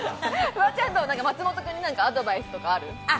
フワちゃん、松本君にアドバイスとかある？